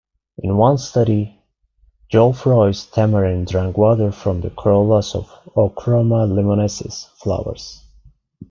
In one study, Geoffroy's tamarin drank water from the corollas of "Ochroma limonesis" flowers.